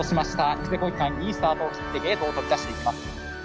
イクゼコクギカンいいスタートを切ってゲートを飛び出していきます。